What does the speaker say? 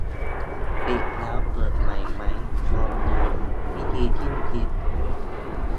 ปิดแล้วเปิดใหม่ไหม ลองดู วิธีสิ้นคิด